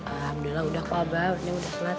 alhamdulillah udah kok abah neng udah sholat